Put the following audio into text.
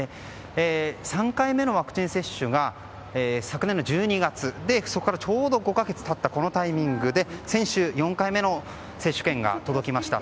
３回目のワクチン接種が昨年の１２月でそこからちょうど５か月経ったこのタイミングで先週４回目の接種券が届きました。